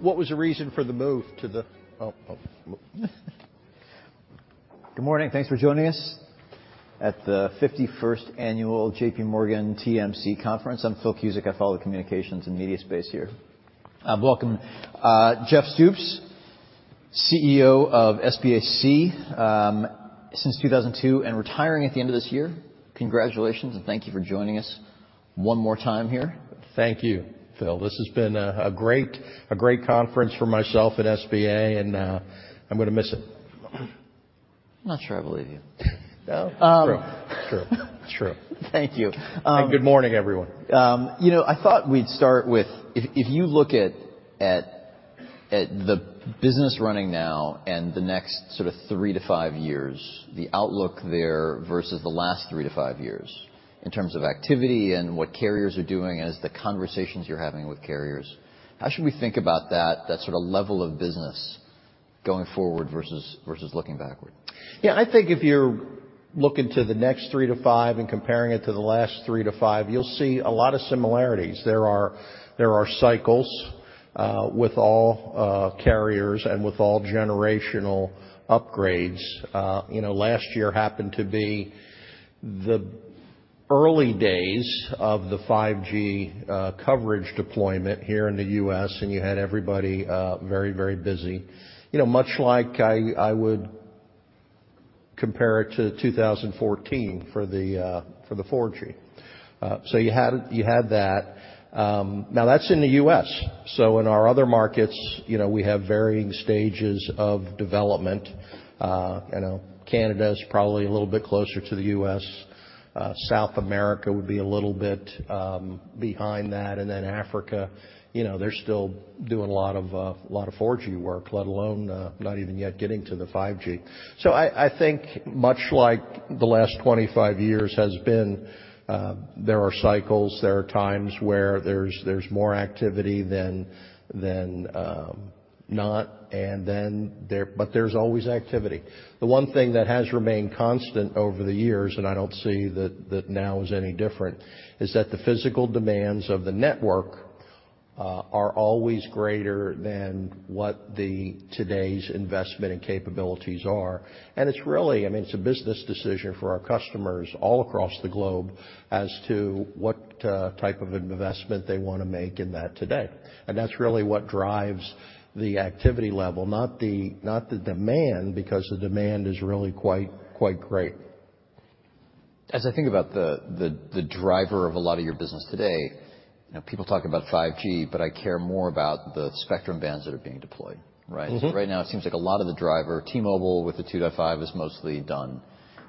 What was the reason for the move to the... Oh, oh, look. Good morning. Thanks for joining us at the 51st annual J.P. Morgan TMC Conference. I'm Phil Cusick. I follow communications and media space here. Welcome, Jeff Stoops, CEO of SBAC, since 2002, and retiring at the end of this year. Congratulations, and thank you for joining us one more time here. Thank you, Phil. This has been a great conference for myself at SBA, and I'm gonna miss it. I'm not sure I believe you. No? True. True. True. Thank you. Good morning, everyone. you know, I thought we'd start with if you look at the business running now and the next sort of three to five years, the outlook there versus the last three to five years in terms of activity and what carriers are doing as the conversations you're having with carriers, how should we think about that sort of level of business going forward versus looking backward? Yeah. I think if you're looking to the next three to five and comparing it to the last three to five, you'll see a lot of similarities. There are cycles with all carriers and with all generational upgrades. You know, last year happened to be the early days of the 5G coverage deployment here in the U.S., and you had everybody very, very busy. You know, much like I would compare it to 2014 for the 4G. You had that. Now that's in the U.S. In our other markets, you know, we have varying stages of development. You know, Canada is probably a little bit closer to the U.S. South America would be a little bit behind that. Africa, you know, they're still doing a lot of, a lot of 4G work, let alone, not even yet getting to the 5G. I think much like the last 25 years has been, there are cycles, there are times where there's more activity than not, but there's always activity. The one thing that has remained constant over the years, and I don't see that now is any different, is that the physical demands of the network, are always greater than what the today's investment and capabilities are. It's really, I mean, it's a business decision for our customers all across the globe as to what, type of investment they wanna make in that today. That's really what drives the activity level, not the demand, because the demand is really quite great. As I think about the driver of a lot of your business today, you know, people talk about 5G, but I care more about the spectrum bands that are being deployed, right? Mm-hmm. Right now it seems like a lot of the driver, T-Mobile with the 2.5 is mostly done,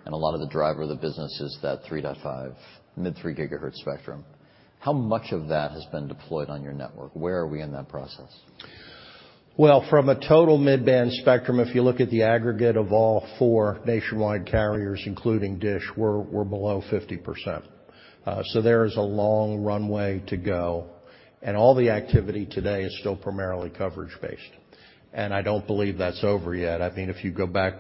and a lot of the driver of the business is that 3.5 mid three gigahertz spectrum. How much of that has been deployed on your network? Where are we in that process? Well, from a total mid-band spectrum, if you look at the aggregate of all four nationwide carriers, including DISH, we're below 50%. There is a long runway to go, and all the activity today is still primarily coverage based. I don't believe that's over yet. I mean, if you go back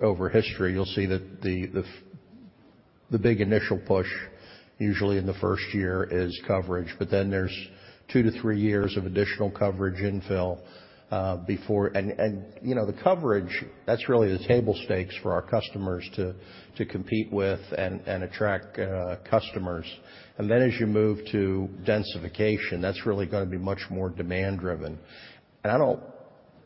over history, you'll see that the big initial push, usually in the first year is coverage, but then there's two to three years of additional coverage infill, before... You know, the coverage, that's really the table stakes for our customers to compete with and attract customers. Then as you move to densification, that's really gonna be much more demand driven. I don't,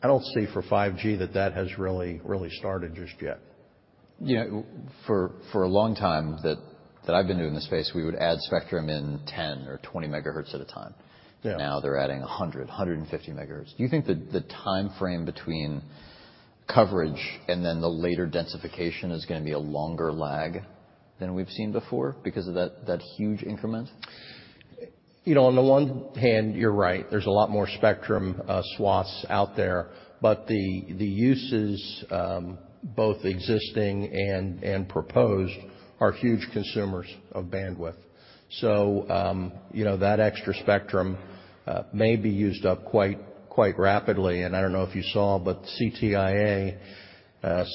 I don't see for 5G that that has really started just yet. You know, for a long time that I've been doing this space, we would add spectrum in 10 or 20 megahertz at a time. Yeah. They're adding 150 MHz. Do you think the timeframe between coverage and then the later densification is gonna be a longer lag than we've seen before because of that huge increment? You know, on the one hand, you're right. There's a lot more spectrum swaths out there. The uses, both existing and proposed are huge consumers of bandwidth. You know, that extra spectrum may be used up quite rapidly. I don't know if you saw, but CTIA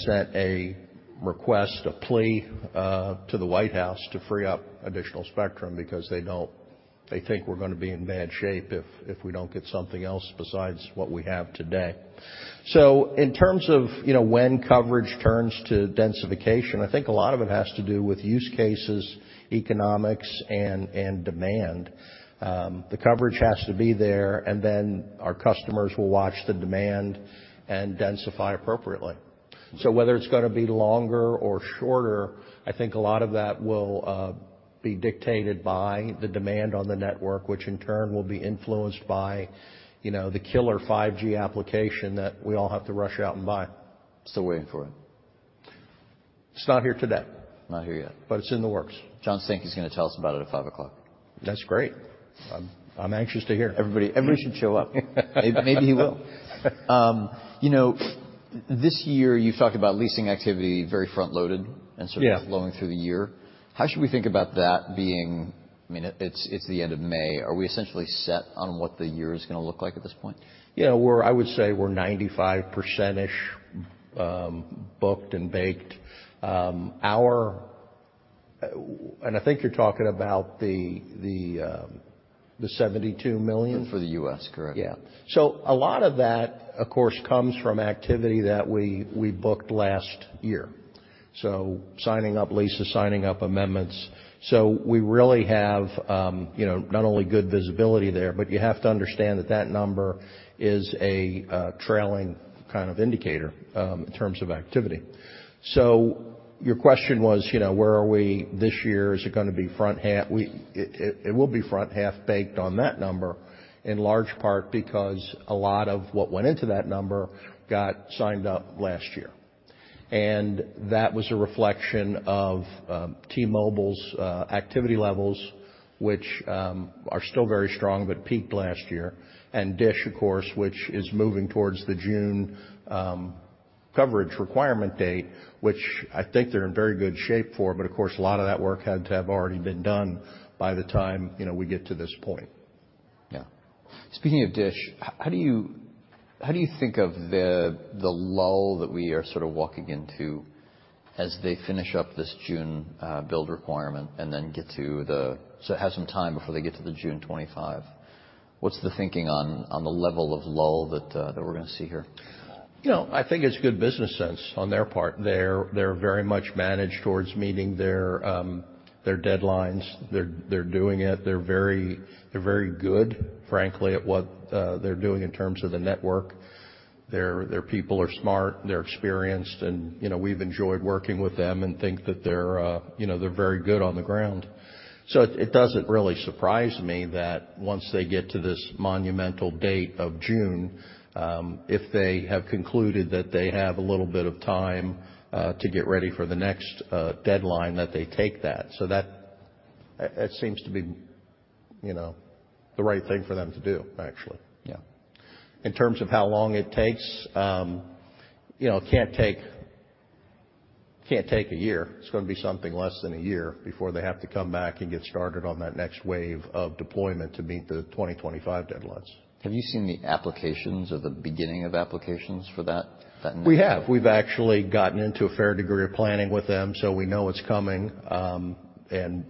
sent a request, a plea to the White House to free up additional spectrum because they think we're gonna be in bad shape if we don't get something else besides what we have today. In terms of, you know, when coverage turns to densification, I think a lot of it has to do with use cases, economics, and demand. The coverage has to be there, our customers will watch the demand and densify appropriately. Whether it's gonna be longer or shorter, I think a lot of that will be dictated by the demand on the network, which in turn will be influenced by, you know, the killer 5G application that we all have to rush out and buy. Still waiting for it. It's not here today. Not here yet. It's in the works. John Stankey is gonna tell us about it at 5:00 P.M. That's great. I'm anxious to hear. Everybody should show up. Maybe he will. You know, this year you've talked about leasing activity, very front-loaded. Yeah... sort of flowing through the year. How should we think about that being... I mean, it's the end of May. Are we essentially set on what the year is gonna look like at this point? Yeah. I would say we're 95%-ish, booked and baked. I think you're talking about the, the $72 million? For the U.S., correct. Yeah. A lot of that, of course, comes from activity that we booked last year. Signing up leases, signing up amendments. We really have, you know, not only good visibility there, but you have to understand that that number is a trailing kind of indicator in terms of activity. Your question was, you know, where are we this year? Is it gonna be front half? It will be front half baked on that number, in large part because a lot of what went into that number got signed up last year. That was a reflection of T-Mobile's activity levels, which are still very strong, but peaked last year. DISH, of course, which is moving towards the June coverage requirement date, which I think they're in very good shape for. Of course, a lot of that work had to have already been done by the time, you know, we get to this point. Yeah. Speaking of DISH, how do you think of the lull that we are sort of walking into as they finish up this June build requirement and then so have some time before they get to the June 2025? What's the thinking on the level of lull that we're gonna see here? You know, I think it's good business sense on their part. They're very much managed towards meeting their deadlines. They're doing it. They're very good, frankly, at what they're doing in terms of the network. Their people are smart, they're experienced, and, you know, we've enjoyed working with them and think that they're, you know, they're very good on the ground. It doesn't really surprise me that once they get to this monumental date of June, if they have concluded that they have a little bit of time to get ready for the next deadline, that they take that. That seems to be, you know, the right thing for them to do, actually. Yeah. In terms of how long it takes, you know, can't take a year. It's gonna be something less than a year before they have to come back and get started on that next wave of deployment to meet the 2025 deadlines. Have you seen the applications or the beginning of applications for that next- We have. We've actually gotten into a fair degree of planning with them, so we know it's coming.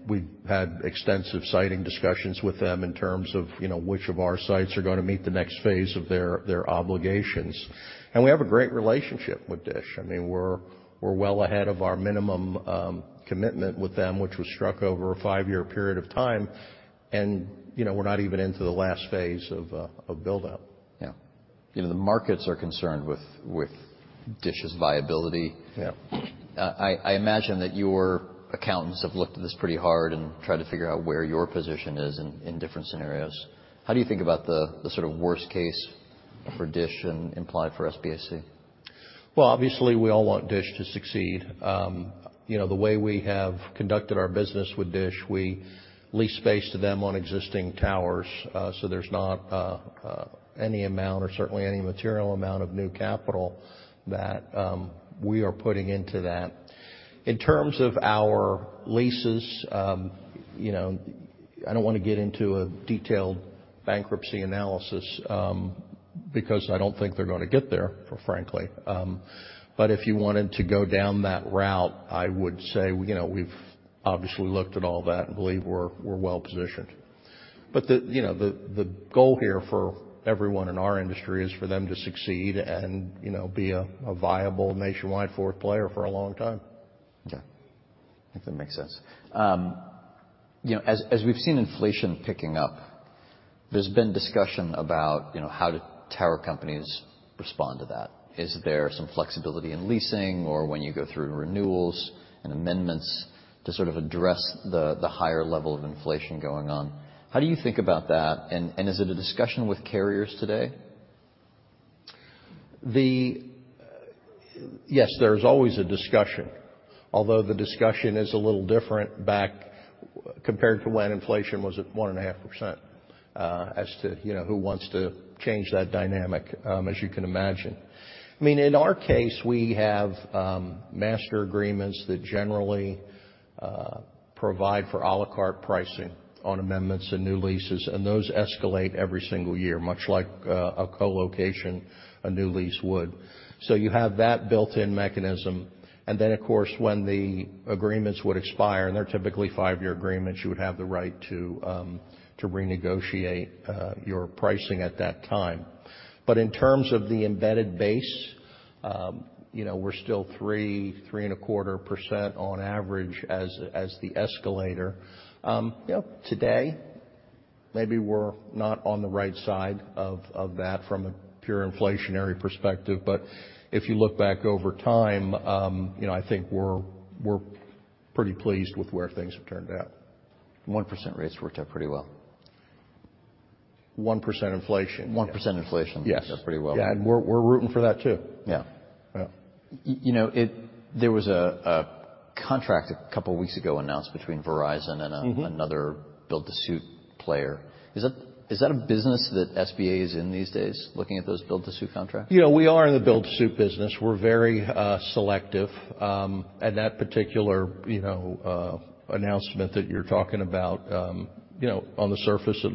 We've had extensive siting discussions with them in terms of, you know, which of our sites are gonna meet the next phase of their obligations. We have a great relationship with DISH. I mean, we're well ahead of our minimum commitment with them, which was struck over a five-year period of time. You know, we're not even into the last phase of buildup. Yeah. You know, the markets are concerned with DISH's viability. Yeah. I imagine that your accountants have looked at this pretty hard and tried to figure out where your position is in different scenarios. How do you think about the sort of worst case for DISH and implied for SBAC? Well, obviously, we all want DISH to succeed. You know, the way we have conducted our business with DISH, we lease space to them on existing towers, so there's not any amount or certainly any material amount of new capital that we are putting into that. In terms of our leases, you know, I don't wanna get into a detailed bankruptcy analysis, because I don't think they're gonna get there, frankly. If you wanted to go down that route, I would say, you know, we've obviously looked at all that and believe we're well positioned. You know, the goal here for everyone in our industry is for them to succeed and, you know, be a viable nationwide fourth player for a long time. I think that makes sense. You know, as we've seen inflation picking up, there's been discussion about, you know, how do tower companies respond to that? Is there some flexibility in leasing or when you go through renewals and amendments to sort of address the higher level of inflation going on? How do you think about that? Is it a discussion with carriers today? Yes, there's always a discussion, although the discussion is a little different back compared to when inflation was at 1.5%, as to, you know, who wants to change that dynamic, as you can imagine. I mean, in our case, we have master agreements that generally provide for à la carte pricing on amendments and new leases, and those escalate every single year, much like a co-location, a new lease would. You have that built-in mechanism. Then, of course, when the agreements would expire, and they're typically 5-year agreements, you would have the right to renegotiate your pricing at that time. In terms of the embedded base, you know, we're still 3.25% on average as the escalator. You know, today, maybe we're not on the right side of that from a pure inflationary perspective. If you look back over time, you know, I think we're pretty pleased with where things have turned out. 1% rates worked out pretty well. 1% inflation. 1% inflation. Yes. Worked out pretty well. Yeah, we're rooting for that too. Yeah. Yeah. You know, there was a contract a couple weeks ago announced between Verizon and. Mm-hmm. another build-to-suit player. Is that a business that SBA is in these days, looking at those build-to-suit contracts? You know, we are in the build-to-suit business. We're very selective, and that particular, you know, announcement that you're talking about, on the surface, it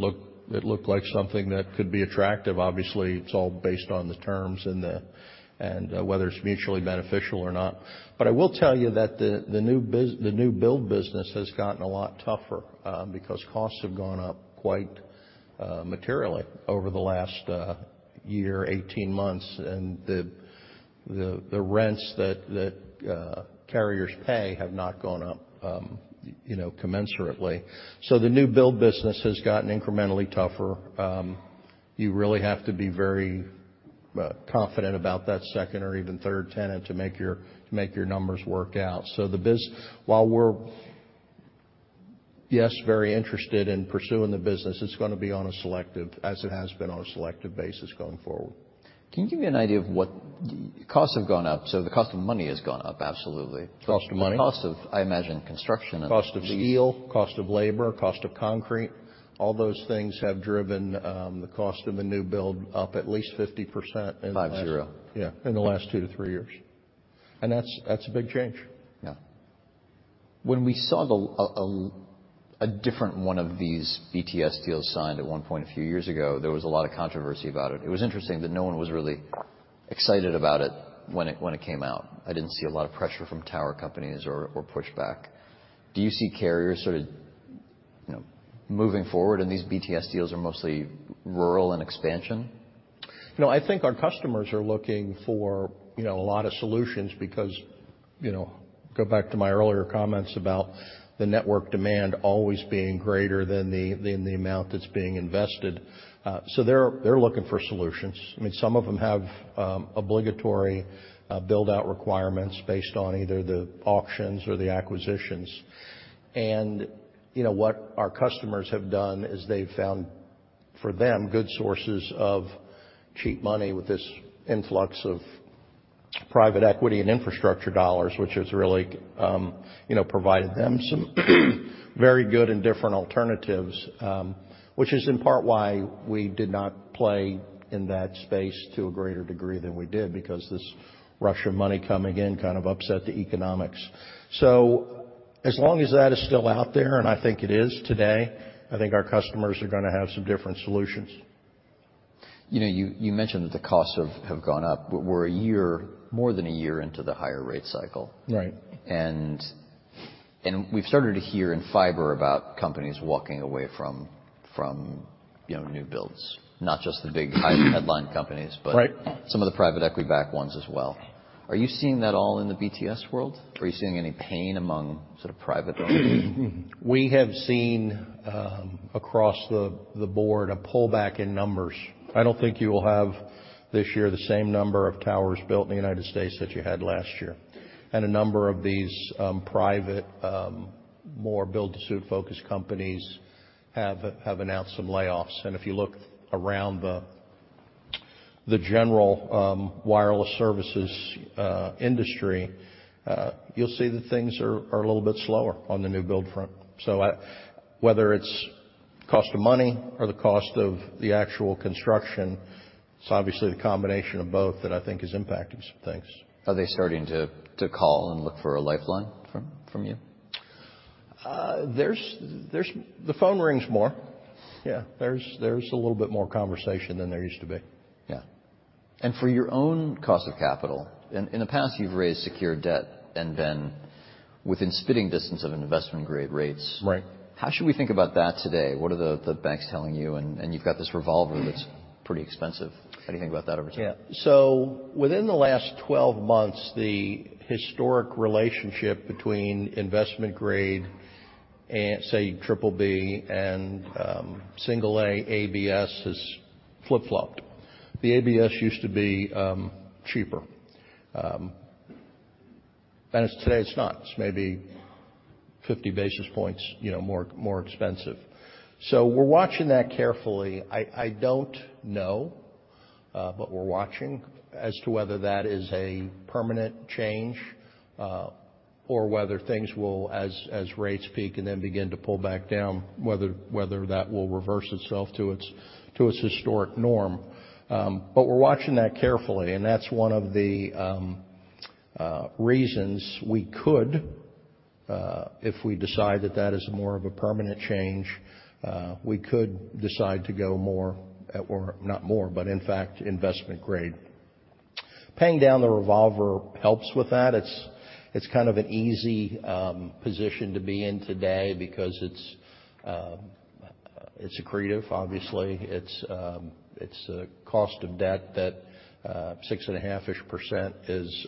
looked like something that could be attractive. Obviously, it's all based on the terms and whether it's mutually beneficial or not. I will tell you that the new build business has gotten a lot tougher because costs have gone up quite materially over the last 18 months, and the rents that carriers pay have not gone up, you know, commensurately. The new build business has gotten incrementally tougher. You really have to be very confident about that second or even third tenant to make your numbers work out. While we're, yes, very interested in pursuing the business, it's gonna be as it has been on a selective basis going forward. Costs have gone up, so the cost of money has gone up, absolutely. Cost of money. The cost of, I imagine, construction... Cost of steel, cost of labor, cost of concrete, all those things have driven, the cost of a new build up at least 50%. Five-zero. Yeah, in the last two to three years. That's a big change. Yeah. When we saw a different one of these BTS deals signed at one point a few years ago, there was a lot of controversy about it. It was interesting that no one was really excited about it when it came out. I didn't see a lot of pressure from tower companies or pushback. Do you see carriers sort of, you know, moving forward, and these BTS deals are mostly rural and expansion? You know, I think our customers are looking for, you know, a lot of solutions because, you know, go back to my earlier comments about the network demand always being greater than the amount that's being invested. They're looking for solutions. I mean, some of them have obligatory build-out requirements based on either the auctions or the acquisitions. You know, what our customers have done is they've found, for them, good sources of cheap money with this influx of private equity and infrastructure dollars, which has really, you know, provided them some very good and different alternatives. Which is in part why we did not play in that space to a greater degree than we did because this rush of money coming in kind of upset the economics. As long as that is still out there, and I think it is today, I think our customers are gonna have some different solutions. You know, you mentioned that the costs have gone up, but we're a year, more than a year into the higher rate cycle. Right. We've started to hear in fiber about companies walking away from, you know, new builds, not just the big headline companies. Right. Some of the private equity backed ones as well. Are you seeing that all in the BTS world, or are you seeing any pain among sort of private equity? We have seen across the board a pullback in numbers. I don't think you will have this year the same number of towers built in the United States that you had last year. A number of these private more build-to-suit focused companies have announced some layoffs. If you look around the general wireless services industry, you'll see that things are a little bit slower on the new build front. Whether it's cost of money or the cost of the actual construction, it's obviously the combination of both that I think is impacting some things. Are they starting to call and look for a lifeline from you? There's The phone rings more. Yeah, there's a little bit more conversation than there used to be. Yeah. For your own cost of capital, in the past, you've raised secured debt and then within spitting distance of investment-grade rates. Right. How should we think about that today? What are the banks telling you? You've got this revolver that's pretty expensive. How do you think about that over time? Within the last 12 months, the historic relationship between investment grade and, say, triple B and single A ABS has flip-flopped. The ABS used to be cheaper, and today it's not. It's maybe 50 basis points, you know, more expensive. We're watching that carefully. I don't know, but we're watching as to whether that is a permanent change, or whether things will as rates peak and then begin to pull back down, whether that will reverse itself to its historic norm. We're watching that carefully, and that's one of the reasons we could, if we decide that that is more of a permanent change, we could decide to go or not more, but in fact, investment grade. Paying down the revolver helps with that. It's kind of an easy position to be in today because it's accretive, obviously. It's a cost of debt that 6.5%-ish is,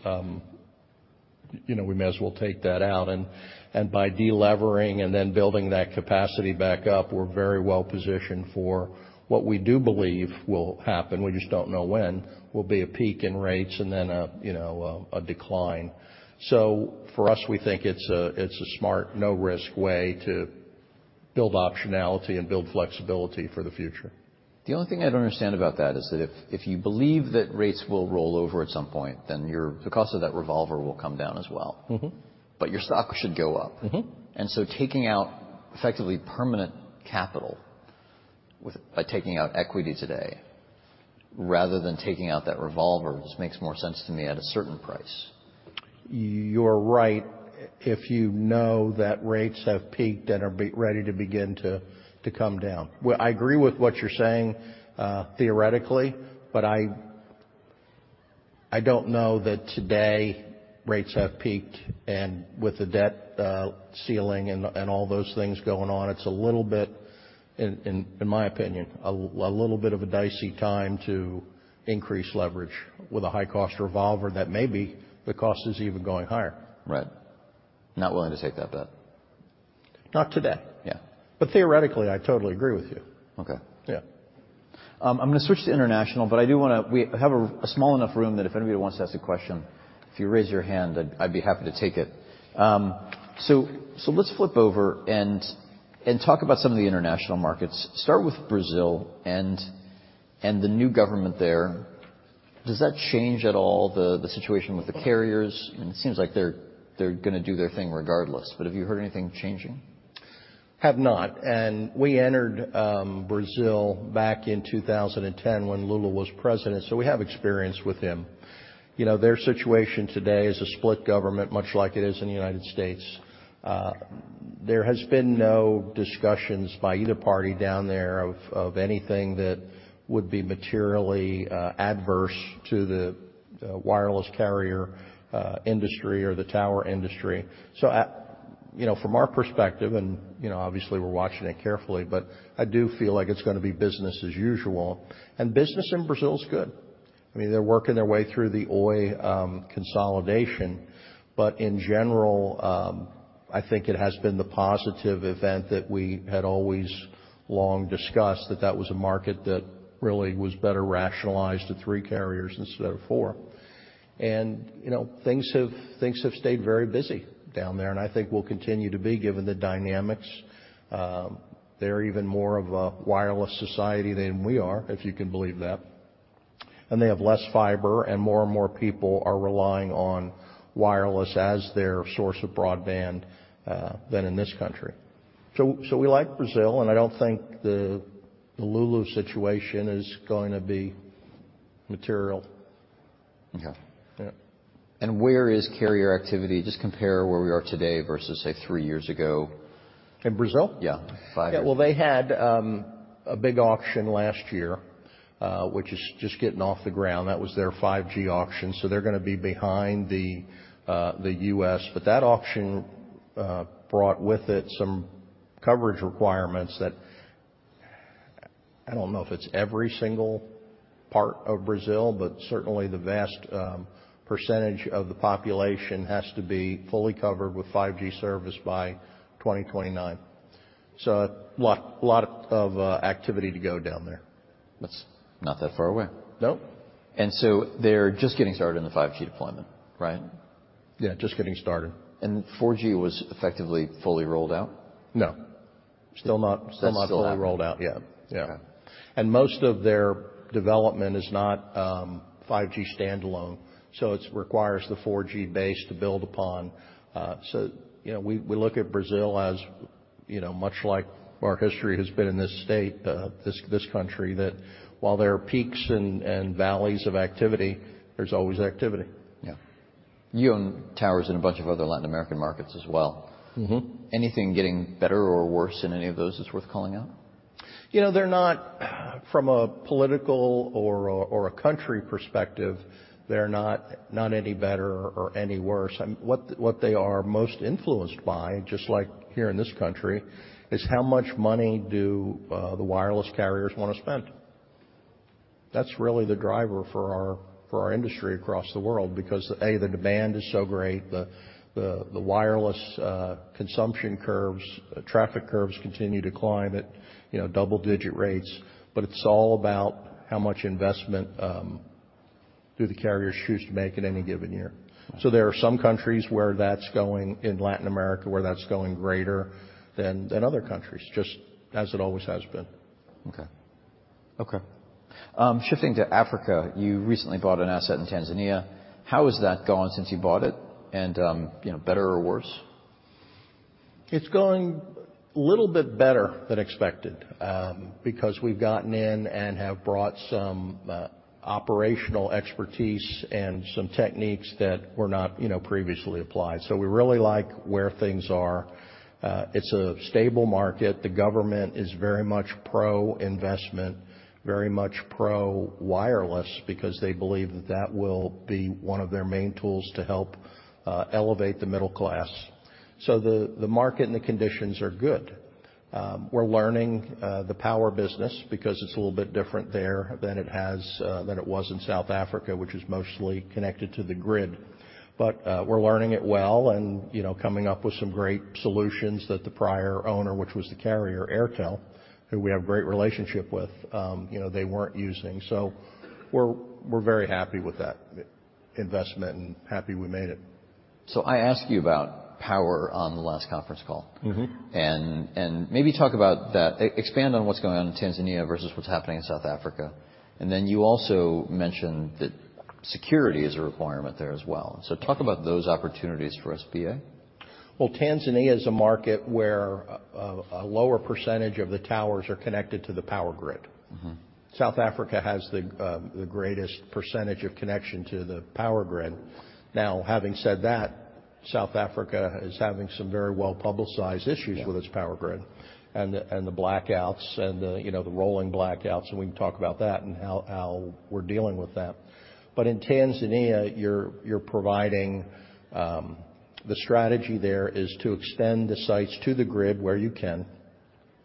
you know, we may as well take that out. By delevering and then building that capacity back up, we're very well positioned for what we do believe will happen, we just don't know when, will be a peak in rates and then a, you know, a decline. For us, we think it's a, it's a smart, no-risk way to build optionality and build flexibility for the future. The only thing I don't understand about that is that if you believe that rates will roll over at some point, then the cost of that revolver will come down as well. Mm-hmm. Your stock should go up. Mm-hmm. taking out effectively permanent capital by taking out equity today rather than taking out that revolver just makes more sense to me at a certain price. You're right if you know that rates have peaked and are ready to begin to come down. I agree with what you're saying, theoretically, but I don't know that today rates have peaked, and with the debt ceiling and all those things going on, it's a little bit, in my opinion, a little bit of a dicey time to increase leverage with a high-cost revolver that maybe the cost is even going higher. Right. Not willing to take that bet? Not today. Yeah. Theoretically, I totally agree with you. Okay. Yeah. I'm gonna switch to international. We have a small enough room that if anybody wants to ask a question, if you raise your hand, I'd be happy to take it. Let's flip over and talk about some of the international markets. Start with Brazil and the new government there. Does that change at all the situation with the carriers? I mean, it seems like they're gonna do their thing regardless. Have you heard anything changing? Have not. We entered Brazil back in 2010 when Lula was president, so we have experience with him. You know, their situation today is a split government, much like it is in the United States. There has been no discussions by either party down there of anything that would be materially adverse to the wireless carrier industry or the tower industry. You know, from our perspective, and, you know, obviously we're watching it carefully, but I do feel like it's gonna be business as usual. Business in Brazil is good. I mean, they're working their way through the Oi consolidation. In general, I think it has been the positive event that we had always long discussed, that that was a market that really was better rationalized to three carriers instead of four. You know, things have stayed very busy down there, and I think will continue to be, given the dynamics. They're even more of a wireless society than we are, if you can believe that, and they have less fiber, and more and more people are relying on wireless as their source of broadband than in this country. We like Brazil, and I don't think the Lula situation is going to be material. Okay. Yeah. Where is carrier activity? Just compare where we are today versus, say, three years ago. In Brazil? Yeah. Five years. Yeah. Well, they had a big auction last year, which is just getting off the ground. That was their 5G auction. They're gonna be behind the U.S. That auction brought with it some coverage requirements that, I don't know if it's every single part of Brazil, but certainly the vast percentage of the population has to be fully covered with 5G service by 2029. A lot of activity to go down there. That's not that far away. Nope. They're just getting started on the 5G deployment, right? Yeah, just getting started. 4G was effectively fully rolled out? No. Still not-. Still not. Still not fully rolled out yet. Yeah. Okay. Most of their development is not, 5G standalone, so it requires the 4G base to build upon. You know, we look at Brazil as, you know, much like our history has been in this state, this country, that while there are peaks and valleys of activity, there's always activity. Yeah. You own towers in a bunch of other Latin American markets as well. Mm-hmm. Anything getting better or worse in any of those that's worth calling out? You know, from a political or a country perspective, they're not any better or any worse. What they are most influenced by, just like here in this country, is how much money do the wireless carriers wanna spend? That's really the driver for our industry across the world because, the demand is so great. The wireless consumption curves, traffic curves continue to climb at, you know, double digit rates. It's all about how much investment do the carriers choose to make in any given year. Okay. There are some countries where that's going, in Latin America, where that's going greater than other countries, just as it always has been. Okay. Okay. shifting to Africa, you recently bought an asset in Tanzania. How has that gone since you bought it? You know, better or worse? It's going little bit better than expected, because we've gotten in and have brought some operational expertise and some techniques that were not, you know, previously applied. We really like where things are. It's a stable market. The government is very much pro-investment, very much pro-wireless because they believe that that will be one of their main tools to help elevate the middle class. The market and the conditions are good. We're learning the power business because it's a little bit different there than it has than it was in South Africa, which is mostly connected to the grid. We're learning it well and, you know, coming up with some great solutions that the prior owner, which was the carrier, Airtel, who we have great relationship with, you know, they weren't using. We're very happy with that investment and happy we made it. I asked you about power on the last conference call. Mm-hmm. Maybe talk about that. Expand on what's going on in Tanzania versus what's happening in South Africa. Then you also mentioned that security is a requirement there as well. Talk about those opportunities for SBA. Tanzania is a market where a lower percentage of the towers are connected to the power grid. Mm-hmm. South Africa has the greatest percentage of connection to the power grid. having said that, South Africa is having some very well-publicized issues. Yeah ...with its power grid and the, and the blackouts and the, you know, the rolling blackouts, and we can talk about that and how we're dealing with that. In Tanzania, you're providing, the strategy there is to extend the sites to the grid where you can,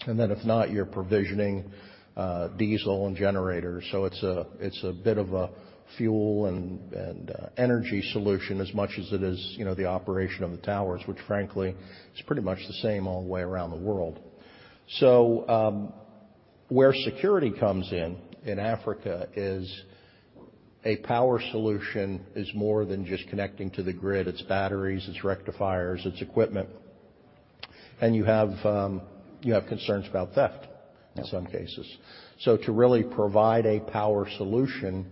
and then if not, you're provisioning diesel and generators. It's a bit of a fuel and energy solution as much as it is, you know, the operation of the towers, which frankly is pretty much the same all the way around the world. Where security comes in in Africa is a power solution is more than just connecting to the grid. It's batteries, it's rectifiers, it's equipment, and you have concerns about theft in some cases. To really provide a power solution,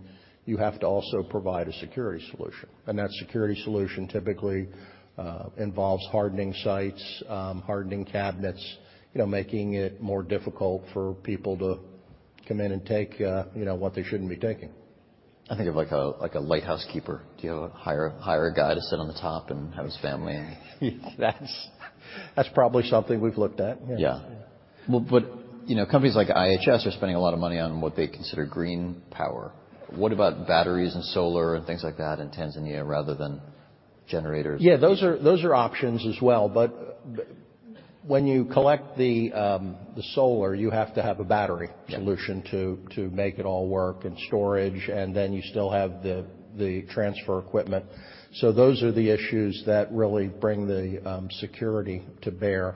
you have to also provide a security solution. That security solution typically involves hardening sites, hardening cabinets, you know, making it more difficult for people to come in and take, you know, what they shouldn't be taking. I think of like a lighthouse keeper. Do you hire a guy to sit on the top and have his family? That's probably something we've looked at, yes. Yeah. Well, you know, companies like IHS are spending a lot of money on what they consider GreenPower What about batteries and solar and things like that in Tanzania rather than generators? Yeah, those are options as well. When you collect the solar, you have to have a battery. Yeah ...solution to make it all work, and storage, and then you still have the transfer equipment. Those are the issues that really bring the security to bear.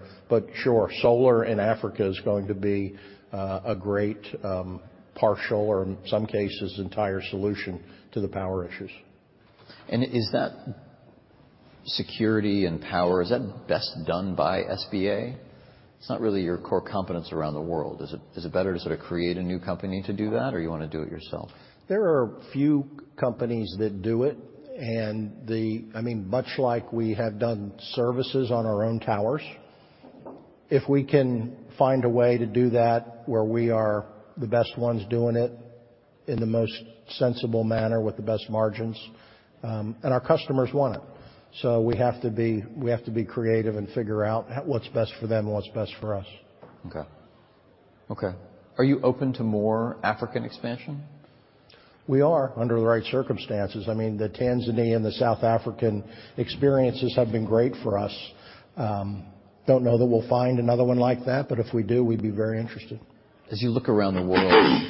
Sure, solar in Africa is going to be a great partial or in some cases, entire solution to the power issues. Is that security and power, is that best done by SBA? It's not really your core competence around the world. Is it, is it better to sort of create a new company to do that, or you wanna do it yourself? There are a few companies that do it, I mean, much like we have done services on our own towers, if we can find a way to do that where we are the best ones doing it in the most sensible manner with the best margins, our customers want it. We have to be creative and figure out what's best for them and what's best for us. Okay. Okay. Are you open to more African expansion? We are, under the right circumstances. I mean, the Tanzania and the South African experiences have been great for us. Don't know that we'll find another one like that, but if we do, we'd be very interested. As you look around the world,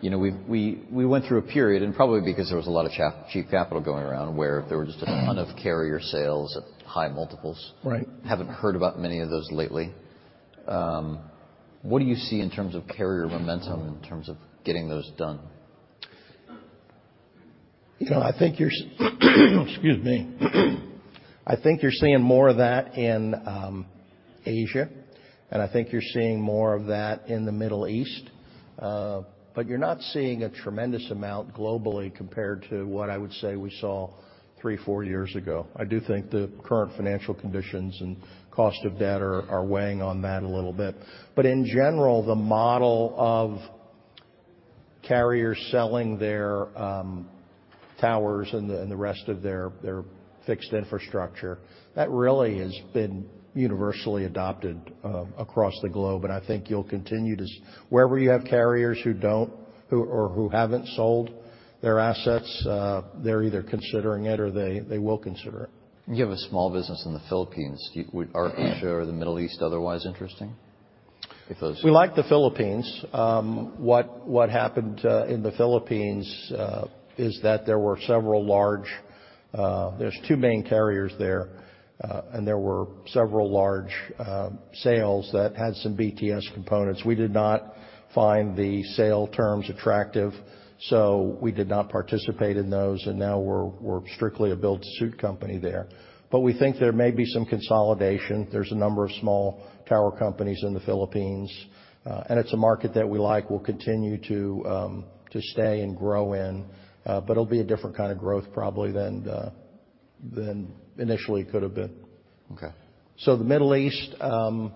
you know, we went through a period, and probably because there was a lot of cheap capital going around, where there were just a ton of carrier sales at high multiples. Right. Haven't heard about many of those lately. What do you see in terms of carrier momentum in terms of getting those done? I think you're seeing more of that in Asia, and I think you're seeing more of that in the Middle East. You're not seeing a tremendous amount globally compared to what I would say we saw three, four years ago. I do think the current financial conditions and cost of debt are weighing on that a little bit. In general, the model of carriers selling their towers and the rest of their fixed infrastructure, that really has been universally adopted across the globe, and I think you'll continue wherever you have carriers who haven't sold their assets, they're either considering it or they will consider it. You have a small business in the Philippines. Are Asia or the Middle East otherwise interesting? If those. We like the Philippines. What happened in the Philippines is that there's two main carriers there. There were several large sales that had some BTS components. We did not find the sale terms attractive, so we did not participate in those. Now we're strictly a build-to-suit company there. We think there may be some consolidation. There's a number of small tower companies in the Philippines, and it's a market that we like. We'll continue to stay and grow in, but it'll be a different kind of growth probably than initially it could have been. Okay. The Middle East, I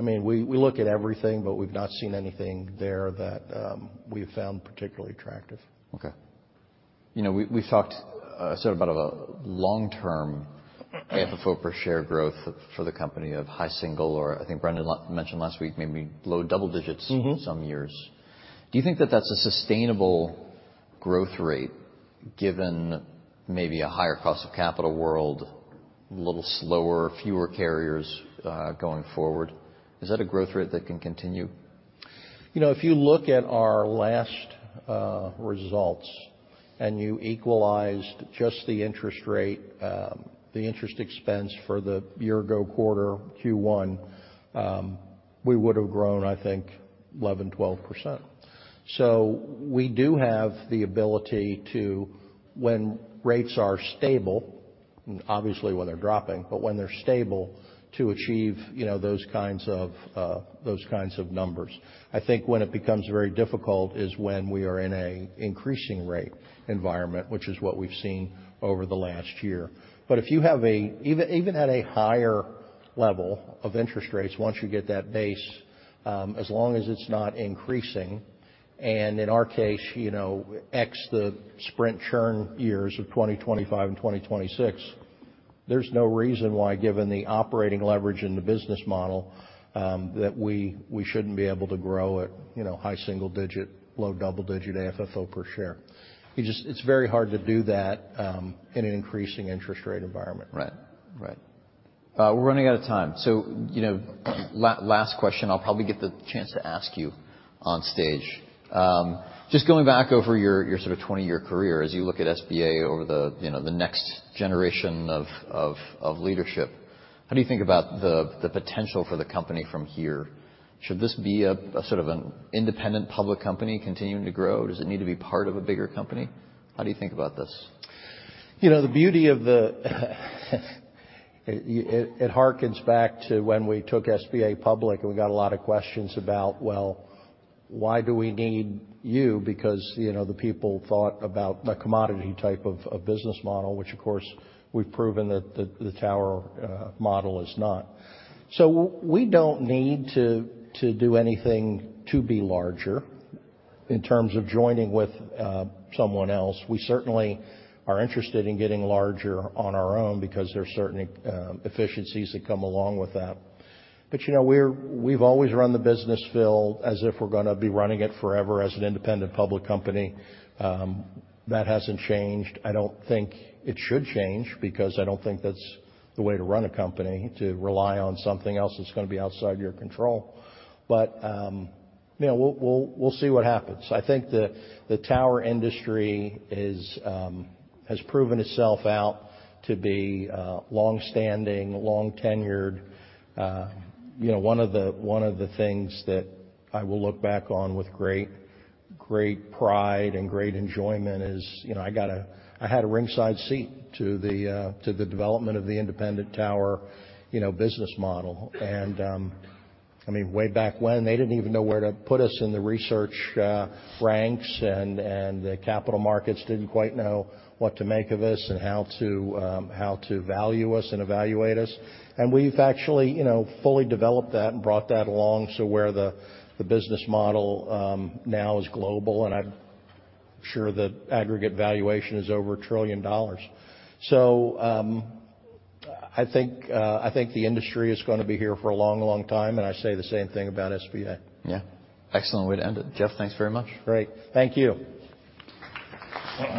mean, we look at everything, but we've not seen anything there that we've found particularly attractive. Okay. You know, we've talked, sort of about a long-term FFO per share growth for the company of high single or I think Brendan mentioned last week maybe low double digits in some years. Do you think that that's a sustainable growth rate given maybe a higher cost of capital world, a little slower, fewer carriers, going forward? Is that a growth rate that can continue? You know, if you look at our last results and you equalized just the interest rate, the interest expense for the year ago quarter, Q1, we would've grown, I think, 11%-12%. We do have the ability to, when rates are stable, obviously when they're dropping, but when they're stable, to achieve, you know, those kinds of those kinds of numbers. I think when it becomes very difficult is when we are in a increasing rate environment, which is what we've seen over the last year. If you have even at a higher level of interest rates, once you get that base, as long as it's not increasing, and in our case, you know, x the Sprint Churn years of 2025 and 2026, there's no reason why, given the operating leverage in the business model, that we shouldn't be able to grow at, you know, high single digit, low double digit AFFO per share. You just. It's very hard to do that, in an increasing interest rate environment. Right. Right. We're running out of time, you know, last question I'll probably get the chance to ask you on stage. Just going back over your sort of 20-year career, as you look at SBA over the, you know, the next generation of leadership, how do you think about the potential for the company from here? Should this be a sort of an independent public company continuing to grow? Does it need to be part of a bigger company? How do you think about this? You know, the beauty of it hearkens back to when we took SBA public and we got a lot of questions about, "Well, why do we need you?" You know, the people thought about a commodity type of a business model, which of course we've proven that the tower model is not. We don't need to do anything to be larger in terms of joining with someone else. We certainly are interested in getting larger on our own, because there's certain efficiencies that come along with that. You know, we've always run the business, Phil, as if we're gonna be running it forever as an independent public company. That hasn't changed. I don't think it should change, because I don't think that's the way to run a company, to rely on something else that's gonna be outside your control. You know, we'll see what happens. I think the tower industry has proven itself out to be longstanding, long-tenured. You know, one of the things that I will look back on with great pride and great enjoyment is, you know, I had a ringside seat to the development of the independent tower, you know, business model. I mean, way back when, they didn't even know where to put us in the research ranks and the capital markets didn't quite know what to make of this and how to value us and evaluate us. We've actually, you know, fully developed that and brought that along so where the business model now is global, and I'm sure that aggregate valuation is over $1 trillion. I think the industry is gonna be here for a long, long time, and I say the same thing about SBA. Yeah. Excellent way to end it. Jeff, thanks very much. Great. Thank you.